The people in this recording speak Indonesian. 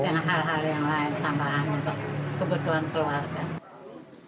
dan hal hal yang lain tambahan untuk kebutuhan keluarga